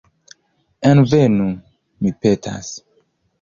Envenu, mi petas.